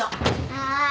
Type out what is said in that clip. はい。